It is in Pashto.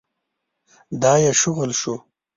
دا يې شغل شو.